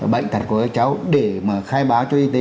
bệnh tật của các cháu để mà khai báo cho y tế